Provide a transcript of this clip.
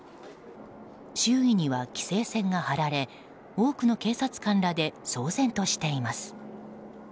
周囲には規制線が張られ多くの警察官らで騒然としています。